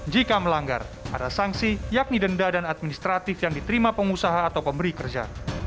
jika melanggar ada sanksi yakni denda dan administratif yang diterima pengusaha atau pemberi kerja